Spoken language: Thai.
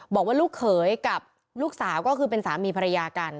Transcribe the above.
บอกว่าลูกเขยกับลูกสาวก็คือเป็นสามีภรรยากัน